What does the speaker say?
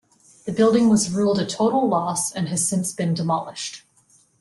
The building was ruled a total loss and has since been demolished.